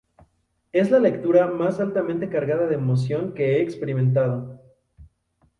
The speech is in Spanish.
Es la lectura más altamente cargada de emoción que he experimentado.